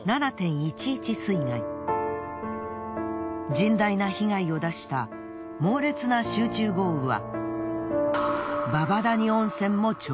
甚大な被害を出した猛烈な集中豪雨は。